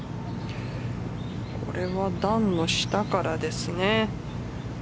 これは段の下からですね。